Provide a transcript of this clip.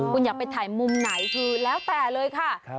คุณอยากไปถ่ายมุมไหนคือแล้วแต่เลยค่ะ